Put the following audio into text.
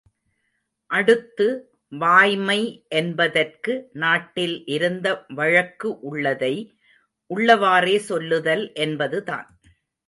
அடுத்து, வாய்மை என்பதற்கு நாட்டில் இருந்த வழக்கு உள்ளதை உள்ளவாறே சொல்லுதல் என்பதுதான்.